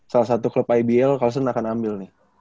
salah satu klub ibl carlsen akan ambil